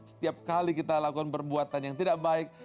setiap kali kita lakukan perbuatan yang tidak baik